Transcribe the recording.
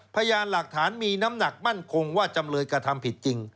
พยานหลักฐานมีน้ำหนักมั่นคงว่าจำเลยกระทำผิดจริง